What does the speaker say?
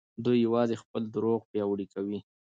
دوی يوازې خپل دروغ پياوړي کوي.